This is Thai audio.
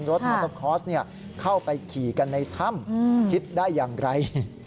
มอเตอร์คอร์สเข้าไปขี่กันในถ้ำคิดได้อย่างไร